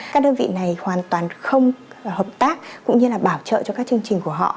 các đơn vị này hoàn toàn không hợp tác cũng như là bảo trợ cho các chương trình của họ